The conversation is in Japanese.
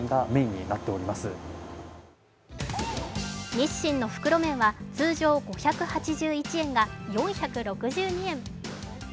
日清の袋麺は通常５８１円が４６２円。